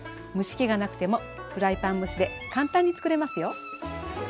蒸し器がなくてもフライパン蒸しで簡単につくれますよ。